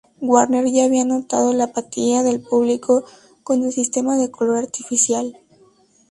Warner ya había notado la apatía del público con el sistema de color artificial.